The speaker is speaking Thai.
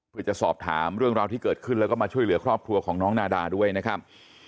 เพื่อจะสอบถามเรื่องราวที่เกิดขึ้นแล้วก็มาช่วยเหลือครอบครัวของน้องนาดาด้วยนะครับ